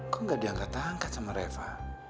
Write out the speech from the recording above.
kok gak diangkat angkat sama reva